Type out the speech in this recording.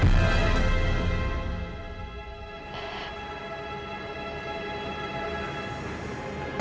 sampai jumpa lagi